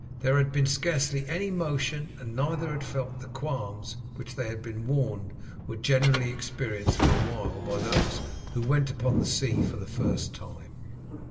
There had been scarcely any motion, and neither had felt the qualms which they had been warned were generally experienced for a while by those who went upon the sea for the first time.